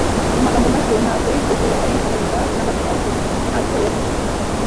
Mu magambo make, ntabwo yigeze ayikunda na gato, ariko ntacyo yavuze.